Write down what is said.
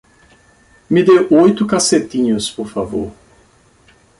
Me dê oito cacetinhos, por favor